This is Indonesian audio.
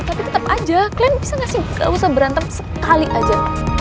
tapi tetap aja kalian bisa nggak sih gak usah berantem sekali aja